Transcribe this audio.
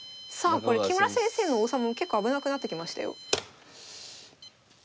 これ木村先生の王様も結構危なくなってきましたよ。